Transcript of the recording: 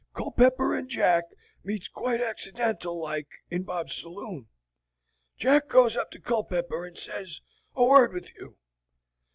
Culpepper and Jack meets quite accidental like in Bob's saloon. Jack goes up to Culpepper and says, 'A word with you.'